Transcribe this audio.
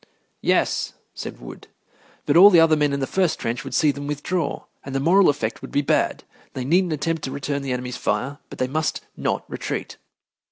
"Yes," said Wood, "but all the other men in the first trench would see them withdraw, and the moral effect would be bad. They needn't attempt to return the enemy's fire, but they must not retreat."